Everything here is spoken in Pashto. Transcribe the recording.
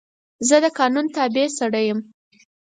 زه د قانون تابع سړی یم.